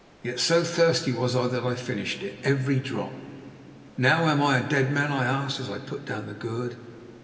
Yet so thirsty was I that I finished it, every drop. "Now am I a dead man?" I asked, as I put down the gourd.